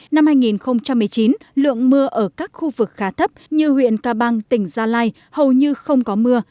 năm hai nghìn một mươi chín lượng mưa ở các khu vực khá thấp như huyện ca bang tỉnh gia lai hầu như không có mưa